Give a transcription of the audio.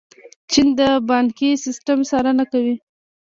چین د بانکي سیسټم څارنه کوي.